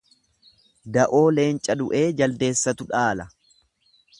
Da'oo leenca du'ee jaldeessatu dhaala.